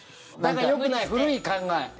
よくない、古い考え。